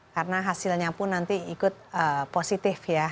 karena hasilnya pun nanti ikut positif ya